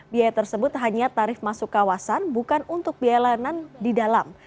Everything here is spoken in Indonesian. biaya tersebut hanya tarif masuk kawasan bukan untuk biaya layanan di dalam